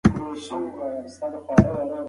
هغې د حیاتي تنوع ساتنې اهمیت یادونه وکړه.